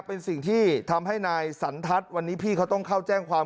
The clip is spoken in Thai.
เป็นสิ่งที่ทำให้นายสันทัศน์วันนี้พี่เขาต้องเข้าแจ้งความ